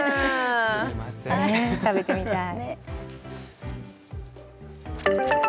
食べてみたい。